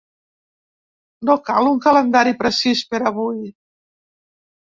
No cal un calendari precís per avui.